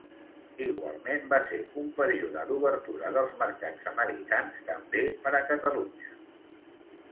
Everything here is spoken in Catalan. Igualment va ser un període d'obertura dels mercats americans també per a Catalunya.